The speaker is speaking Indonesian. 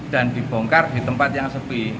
dan dibongkar di tempat yang sepi